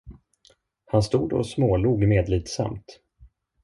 Han stod och smålog medlidsamt.